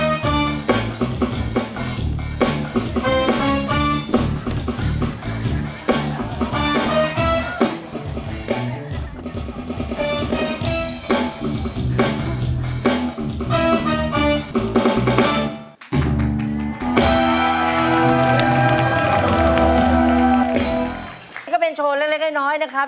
แล้วก็เป็นโชว์เล็กน้อยนะครับ